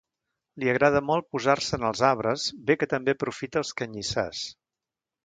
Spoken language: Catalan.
Li agrada molt posar-se en els arbres, bé que també aprofita els canyissars.